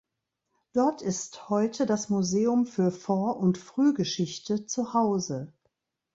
Dort ist heute das Museum für Vor- und Frühgeschichte zu Hause.